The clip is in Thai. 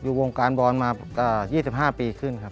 วงการบอลมา๒๕ปีขึ้นครับ